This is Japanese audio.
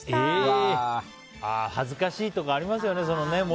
恥ずかしいとかありますよね。